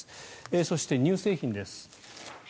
そして、乳製品です。